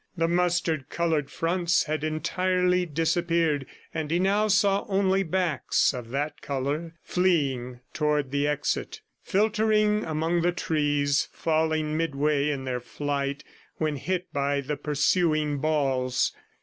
The mustard colored fronts had entirely disappeared, and he now saw only backs of that color fleeing toward the exit, filtering among the trees, falling midway in their flight when hit by the pursuing balls.